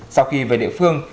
sau khi về địa phương